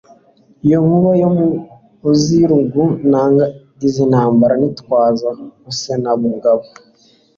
iyo nkuba yo mu z'i Ruguru nanga izi ntambara nitwaza Rusenamugabo;